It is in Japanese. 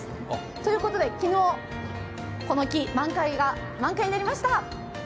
ということで、昨日、この木、満開になりました。